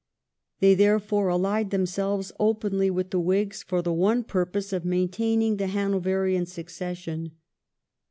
They therefore allied themselves openly with the Whigs for the one purpose of main taining the Hanoverian succession.